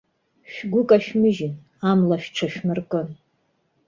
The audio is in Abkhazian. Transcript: Шәгәы кашәмыжьын, амла шәҽашәмыркын.